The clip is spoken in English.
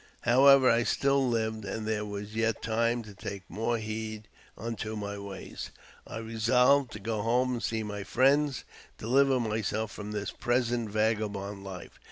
However, I still lived, and there was yet time to take more heed unto my ways. I resolved to go home and see my friends, and deliver myself from this present vagabond Ufe.